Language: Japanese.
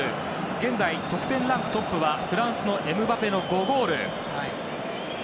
現在、得点ランクトップはフランスのエムバペの５ゴール。